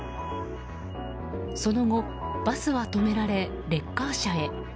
その後、バスは止められレッカー車へ。